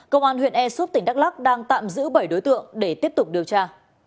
công an huyện ea súp tỉnh đắk lắc đang tạm giữ bảy đối tượng để tiếp tục điều tra